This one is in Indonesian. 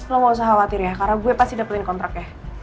lo gak usah khawatir ya karena gue pasti dapetin kontrak ya